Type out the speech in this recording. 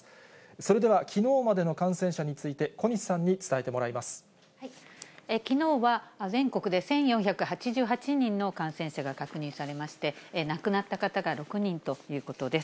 それでは、きのうまでの感染者について、きのうは、全国で１４８８人の感染者が確認されまして、亡くなった方が６人ということです。